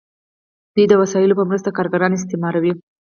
دوی د وسایلو په مرسته کارګران استثماروي.